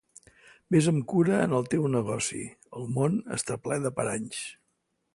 Vés amb cura en el teu negoci, el món està ple de paranys.